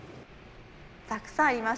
たくさんあります。